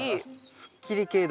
すっきり系だ。